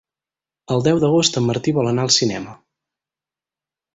El deu d'agost en Martí vol anar al cinema.